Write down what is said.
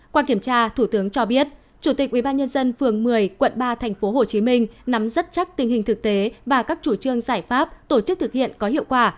qua kiểm tra thủ tướng cho biết chủ tịch ubnd phường một mươi quận ba tp hcm nắm rất chắc tình hình thực tế và các chủ trương giải pháp tổ chức thực hiện có hiệu quả